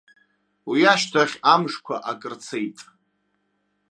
Уи ашьҭахь амшқәа акыр цеит.